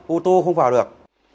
ô tô không vào được